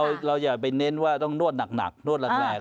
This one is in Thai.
เราอย่าไปเน้นว่าต้องนวดหนักนวดแรก